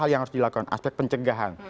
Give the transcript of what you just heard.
hal yang harus dilakukan aspek pencegahan